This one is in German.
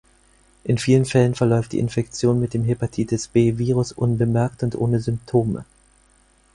In vielen Fällen verläuft die Infektion mit dem Hepatitis-B-Virus unbemerkt und ohne Symptome.